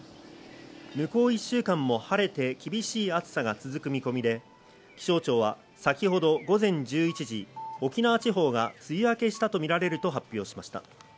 向こう１週間も晴れて厳しい暑さが続く見込みで、気象庁は先ほど午前１１時、沖縄地方が梅雨明けしたとみられると発表しました。